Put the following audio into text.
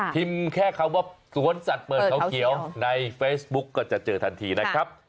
แค่คำว่าสวนสัตว์เปิดเขาเขียวในเฟซบุ๊กก็จะเจอทันทีนะครับ